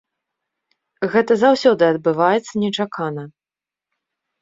Гэта заўсёды адбываецца нечакана.